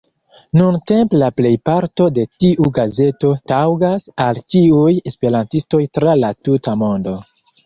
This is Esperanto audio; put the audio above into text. Nuntempe la plejparto de tiu gazeto taŭgas al ĉiuj esperantistoj tra la tuta mondo.